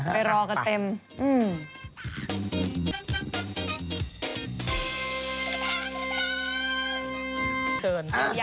ไปรอกันเต็ม